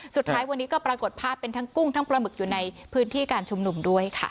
สุดท้ายวันนี้ก็ปรากฏภาพเป็นทั้งกุ้งทั้งปลาหมึกอยู่ในพื้นที่การชุมนุมด้วยค่ะ